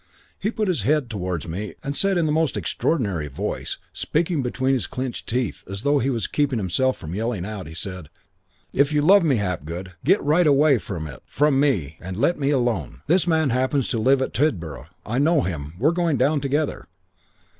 "He put his head towards me and said in the most extraordinary voice, speaking between his clenched teeth as though he was keeping himself from yelling out, he said, 'If you love me, Hapgood, get right away out of it from me and let me alone. This man happens to live at Tidborough. I know him. We're going down together.'